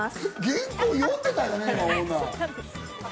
原稿を読んでたよね